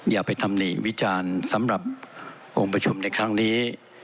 อย่าไปทำหนิวิจารณ์สำหรับองค์ประชุมในครั้งนี้